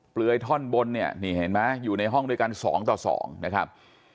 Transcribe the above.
เปลือยท่อนบนเนี่ยนี่เห็นไหมอยู่ในห้องด้วยกัน๒ต่อ๒นะครับ